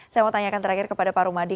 saya mau tanyakan terakhir kepada pak rumadi